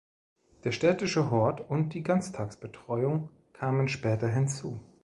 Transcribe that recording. Der städtische Hort und die Ganztagsbetreuung kamen später hinzu.